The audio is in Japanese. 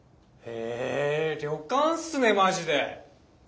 え旅館っすねマジで。